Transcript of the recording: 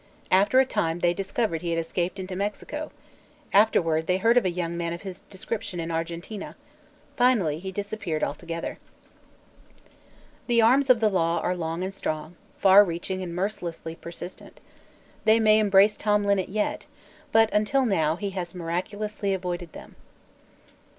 After a time they discovered he had escaped into Mexico; afterward they heard of a young man of his description in Argentine; finally he disappeared altogether. The arms of the law are long and strong, far reaching and mercilessly persistent. They may embrace Tom Linnet yet, but until now he has miraculously avoided them.